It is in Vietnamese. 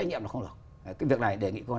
trách nhiệm là không được cái việc này đề nghị